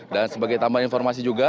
dan sebagai tambahan informasi juga